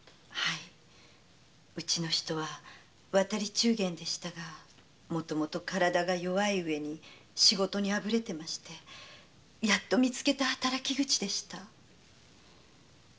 はいうちの人は渡り中間でしたがもともと体が弱いうえに仕事にあぶれてましてやっとみつけた働き口でした。